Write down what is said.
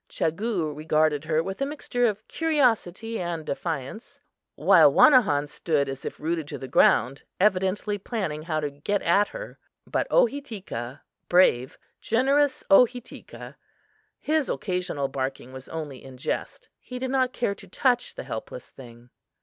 Chagoo regarded her with a mixture of curiosity and defiance, while Wanahon stood as if rooted to the ground, evidently planning how to get at her. But Ohitika (Brave), generous Ohitika, his occasional barking was only in jest. He did not care to touch the helpless thing.